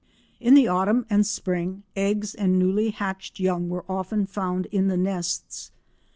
In the autumn and spring, eggs and newly hatched young were often found in the nests.